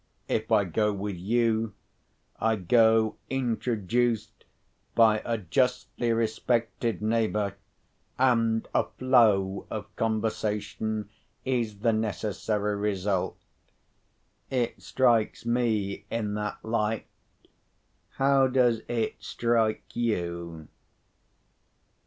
If I go with you, I go introduced by a justly respected neighbour, and a flow of conversation is the necessary result. It strikes me in that light; how does it strike you?"